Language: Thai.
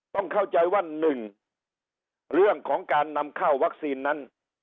ต้องเข้าใจว่า๑เรื่องของการนำเข้าวัคซีนนั้น